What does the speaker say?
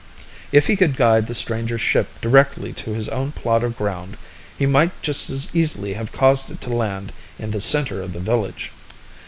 If he could guide the strangers' ship directly to his own plot of ground, he might just as easily have caused it to land in the center of the village.